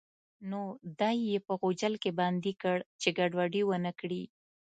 نو دی یې په غوجل کې بندي کړ چې ګډوډي ونه کړي.